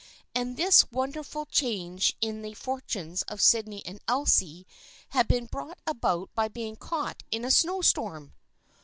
And this wonderful change in the fortunes of Sydney and Elsie had been brought about by being caught in a snow storm